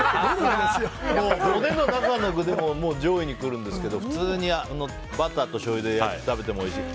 おでんの中の具でも上位に来るんですけど普通にバターとしょうゆで焼いて食べてもおいしい。